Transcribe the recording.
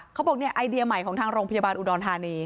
เขาบอกเนี่ยไอเดียใหม่ของทางโรงพยาบาลอุดรธานี